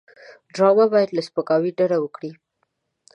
ډرامه باید له سپکاوي ډډه وکړي